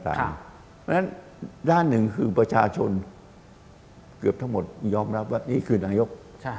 เพราะฉะนั้นด้านหนึ่งคือประชาชนเกือบทั้งหมดยอมรับว่านี่คือนายก